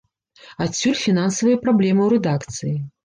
Адсюль фінансавыя праблемы ў рэдакцыі.